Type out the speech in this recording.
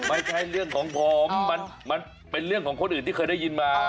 ไม่ใช่เรื่องของผมมันเป็นเรื่องของคนอื่นที่เคยได้ยินมา